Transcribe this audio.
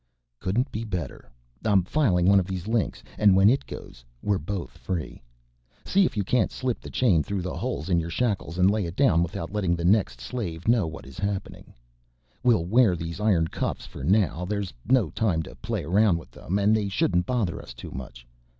"Couldn't be better. I'm filing one of these links, and when it goes we're both free. See if you can't slip the chain through the holes in your shackles and lay it down without letting the next slave know what is happening. We'll wear these iron cuffs for now, there is no time to play around with them and they shouldn't bother us too much.